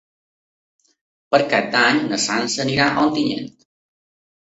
Per Cap d'Any na Sança irà a Ontinyent.